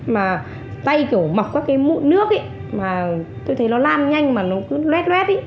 mà tay kiểu mọc các cái mụn nước ý mà tôi thấy nó lan nhanh mà nó cứ luet luet ý